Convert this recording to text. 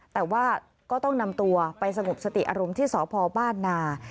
แต่ว่าก็ต้องนำตัวไปสงบสติอารมณ์ที่สพบ้านนา